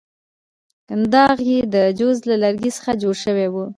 کنداغ یې د جوز له لرګي څخه جوړ شوی وو.